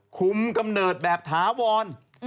กำเนิดแบบถาวร